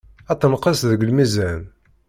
Ad tenqes deg lmizan.